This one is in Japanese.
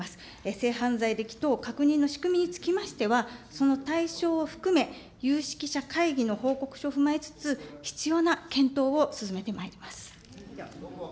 性犯罪歴等、確認の仕組みにつきましては、その対象を含め、有識者会議の報告書を踏まえつつ、必要な検討を進めてまいります。